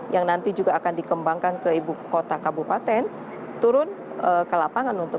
yang nanti juga akan dikembangkan ke ibu kota kabupaten turun ke lapangan untuk